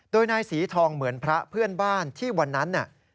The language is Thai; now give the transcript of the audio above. โดยนายศรีทองเหมือนพระเพื่อนบ้านที่วันนั้น